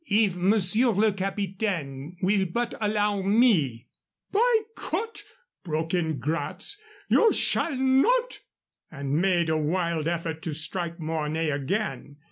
"If Monsieur le Capitaine will but allow me " "By Cott," broke in Gratz, "you shall not!" and made a wild effort to strike Mornay again.